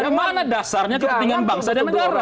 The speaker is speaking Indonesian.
dan mana dasarnya kepentingan bangsa dan negara